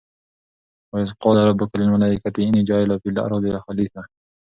وَإِذْ قَالَ رَبُّكَ لِلْمَلٰٓئِكَةِ إِنِّى جَاعِلٌ فِى الْأَرْضِ خَلِيفَةً ۖ